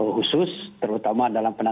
khusus terutama dalam